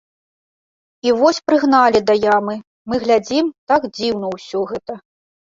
І вось прыгналі да ямы, мы глядзім, так дзіўна ўсё гэта.